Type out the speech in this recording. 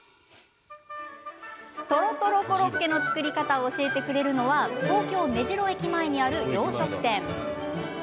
とろとろコロッケの作り方を教えてくれるのは東京・目白駅前にある洋食店。